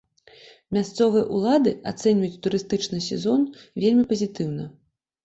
Мясцовыя ўлады ацэньваюць турыстычны сезон вельмі пазітыўна.